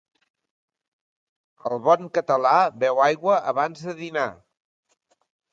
El bon català beu aigua abans de dinar.